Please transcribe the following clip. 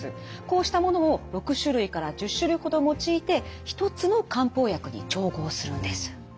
こうしたものを６種類から１０種類ほど用いて一つの漢方薬に調合するんです。